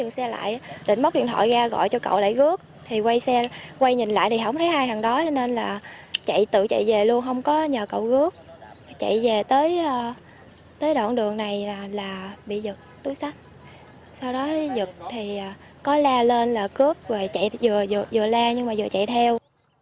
chạy về tới đoạn đường này là bị giật túi sách sau đó giật thì có la lên là cướp rồi chạy vừa la nhưng mà vừa chạy theo